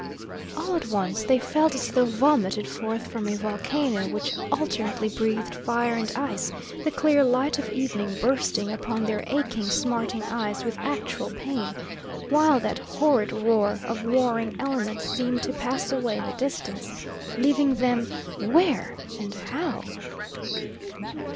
All at once they felt as though vomited forth from a volcano which alternately breathed fire and ice, the clear light of evening bursting upon their aching, smarting eyes with actual pain, while that horrid roar of warring elements seemed to pass away in the distance, leaving them where, and how?